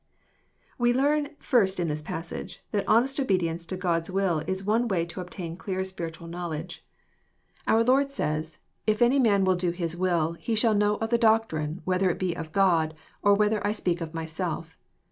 '1 We learn first in this passage, that honest obeaienceto OocPs wUl is one way to obtain dear ^ritual Jcnowledge. Oar 14 EXPOSITORr THOUGHTS. Lord says, " If any man will do His will, he ihall know of the doctrine, whether it be of God, or whether I speak of myself."